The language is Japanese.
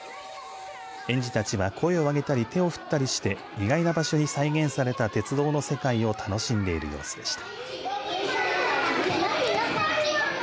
園児たちは声をあげたり手を振ったりして意外な場所に再現された鉄道の世界を楽しんでいる様子でした。